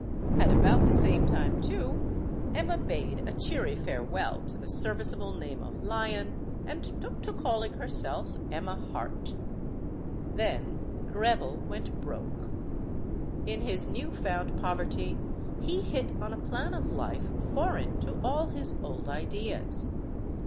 At about the same time, too, Emma bade a cheery farewell to the serviceable name of Lyon and took to calling herself Emma Harte. Then Greville went broke. In his new found poverty, he hit on a plan of life foreign to all his old ideas.